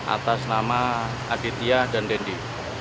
atas nama aditya dan dendi